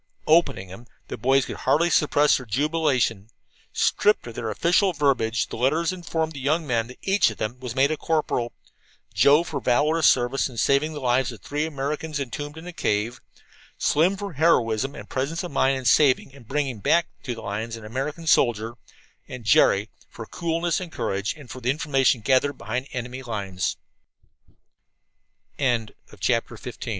Opening them, the boys could hardly suppress their jubilation. Stripped of their official verbiage, the letters informed the young men that each of them was made a corporal, Joe for valorous service in saving the lives of "three Americans entombed in a cave; Slim for heroism and presence of mind in saving and bringing back to the lines an American soldier," and Jerry "for coolness and courage, and for the information gathered behind the ene